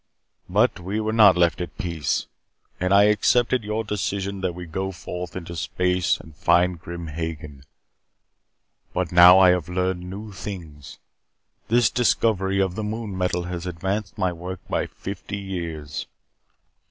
But we were not left at peace. And I accepted your decision that we go forth into space and find Grim Hagen. But now I have learned new things. This discovery of the Moon Metal has advanced my work by fifty years.